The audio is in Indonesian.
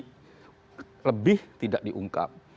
jadi lebih tidak diungkap